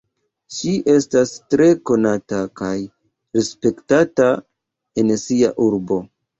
Ŝi estas tre konata kaj respektata en sia urbo.